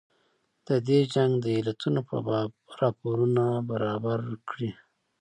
د دې جنګ د علتونو په باب راپورونه برابر کړي.